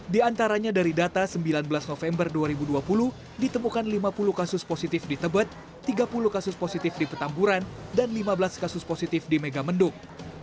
di antaranya dari data sembilan belas november dua ribu dua puluh ditemukan lima puluh kasus positif di tebet tiga puluh kasus positif di petamburan dan lima belas kasus positif di megamendung